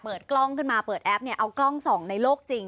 เปิดกล้องขึ้นมาเปิดแอปเอากล้องส่องในโลกจริง